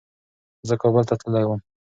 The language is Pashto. زه کابل ته تللی وم.